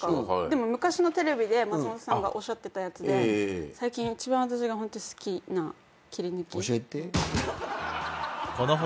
でも昔のテレビで松本さんがおっしゃってたやつで最近一番私が好きな切り抜き。